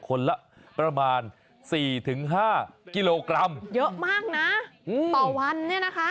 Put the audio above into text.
คนละประมาณ๔๕กิโลกรัมเยอะมากนะต่อวันเนี่ยนะคะ